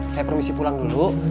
saya permisi pulang dulu